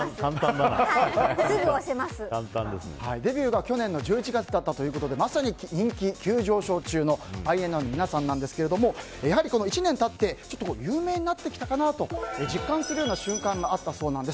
デビューが去年の１１月だったということでまさに人気急上昇中のＩＮＩの皆さんですがやはり１年経ってちょっと有名になってきたかなと実感するような瞬間があったそうなんです。